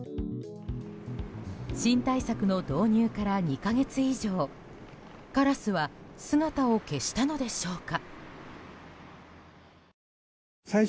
新対策の導入から２か月以上カラスは姿を消したのでしょうか。